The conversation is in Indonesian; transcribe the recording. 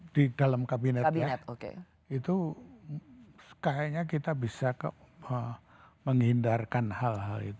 di dalam kabinet ya itu kayaknya kita bisa menghindarkan hal hal itu